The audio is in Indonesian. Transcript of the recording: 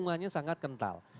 lingkungannya sangat kental